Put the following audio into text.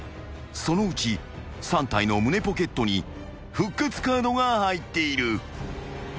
［そのうち３体の胸ポケットに復活カードが入っている］